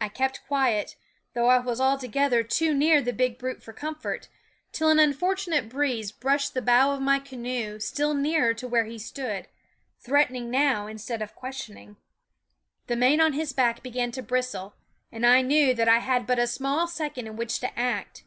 I kept quiet, though I was altogether too near the big brute for comfort, till an unfor tunate breeze brushed the bow of my canoe still nearer to where he stood, threatening THE WOODS now instead of questioning. The mane on his back began to bristle, and I knew that I had but a small second in which to act.